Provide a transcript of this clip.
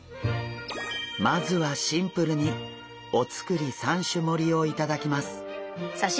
まずはシンプルにお造り３種盛りを頂きます。